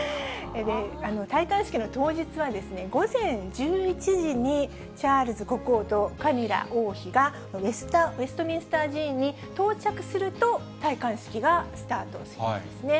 戴冠式の当日は、午前１１時にチャールズ国王とカミラ王妃がウェストミンスター寺院に到着すると、戴冠式がスタートするそうなんですね。